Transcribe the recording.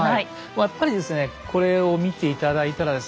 やっぱりですねこれを見て頂いたらですね